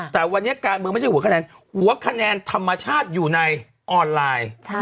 แต่วันนี้การเมืองไม่ใช่หัวคะแนนหัวคะแนนธรรมชาติอยู่ในออนไลน์